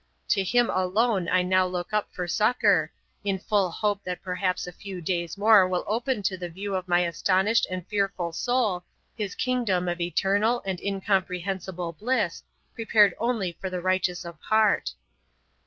To Him alone I now look up for succour, in full hope that perhaps a few days more will open to the view of my astonished and fearful soul His kingdom of eternal and incomprehensible bliss, prepared only for the righteous of heart.